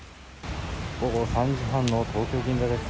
午後３時半の東京・銀座です。